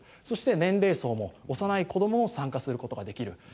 そして年齢層も幼い子どもも参加することができる。